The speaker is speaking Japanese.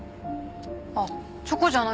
あっチョコじゃないんだ。